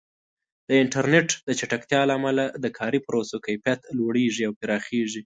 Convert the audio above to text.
د انټرنیټ د چټکتیا له امله د کاري پروسو کیفیت لوړېږي او پراخېږي.